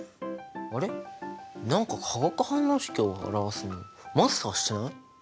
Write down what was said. あれ何か化学反応式を表すのマスターしてない？